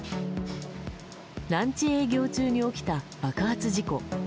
ランチ営業中に起きた爆発事故。